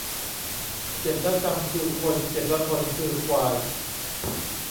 เจ็บแล้วจำคือคน เจ็บแล้วทนคือควาย